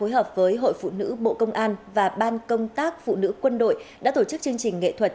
hợp với hội phụ nữ bộ công an và ban công tác phụ nữ quân đội đã tổ chức chương trình nghệ thuật